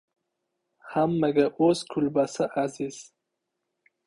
• Hammaga o‘z kulbasi aziz.